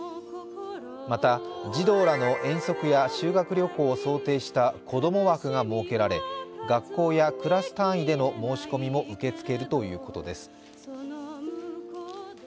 また、児童らの遠足や修学旅行を想定した子供枠が設けられ、学校やクラス単位での申し込みも受け付けるということです。